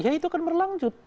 ya itu akan berlanjut